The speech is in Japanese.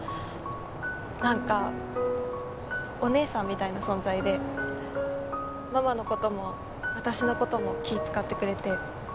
なんかお姉さんみたいな存在でママの事も私の事も気ぃ使ってくれて。